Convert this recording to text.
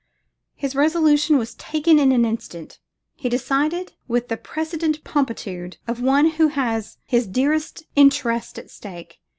His resolution was taken in an instant. He decided with the prescient promptitude of one who has his dearest interests at stake.